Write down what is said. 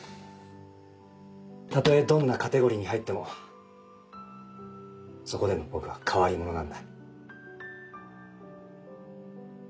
たとえどんなカテゴリーに入ってもそこでの僕は変わり者なんだ。